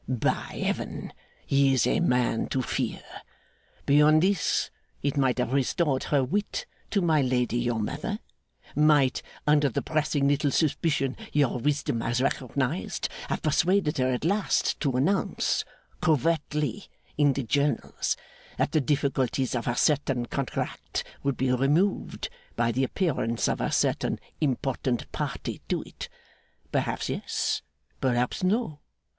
By Heaven, he is a man to fear! Beyond this; it might have restored her wit to my lady your mother might, under the pressing little suspicion your wisdom has recognised, have persuaded her at last to announce, covertly, in the journals, that the difficulties of a certain contract would be removed by the appearance of a certain important party to it. Perhaps yes, perhaps no.